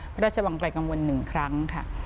พระราชวังไกลกังวล๑ครั้งค่ะ